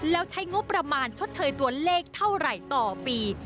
แล้วใช้งบประมาณชดเชยตัวเลขเท่าไหร่ต่อปี